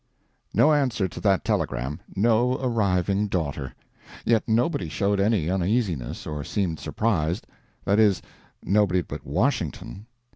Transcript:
No answer to that telegram; no arriving daughter. Yet nobody showed any uneasiness or seemed surprised; that is, nobody but Washington.